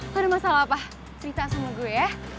gak ada masalah apa cerita sama gue ya